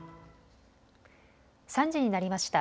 ３時になりました。